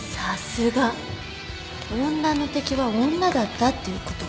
女の敵は女だったっていうことか。